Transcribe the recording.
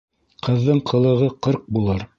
Ҡыҙҙың ҡылығы ҡырҡ булыр.